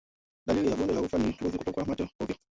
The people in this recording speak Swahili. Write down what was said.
Dalili ya bonde la ufa ni mbuzi kutokwa mate hovyo